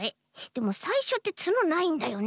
でもさいしょってつのないんだよね？